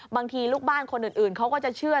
บางทีลูกบ้านคนอื่นเขาก็จะเชื่อ